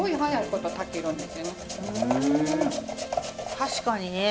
確かにね。